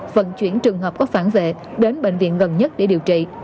vận chuyển trường hợp có phản vệ đến bệnh viện gần nhất để điều trị